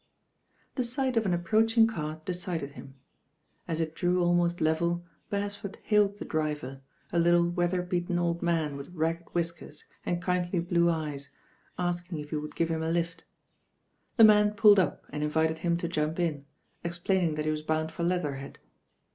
The sight of an approaching cart decided him. As it drew almost level Beresford hailed the driver, a little, weather beaten old man with ragged whis kers and kindly blue eyes, asking if he would give him a lift. The man pulled up and invited him to jump in, explaining that he was bound for Leatherhead.